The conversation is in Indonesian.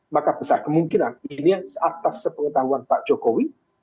maka besar kemungkinan ini atas sepengetahuan pak jokowi